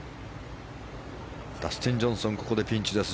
ダスティン・ジョンソンここでピンチです。